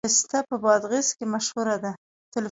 پسته په بادغیس کې مشهوره ده